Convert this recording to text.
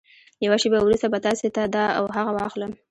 يوه شېبه وروسته به تاسې ته دا او هغه واخلم.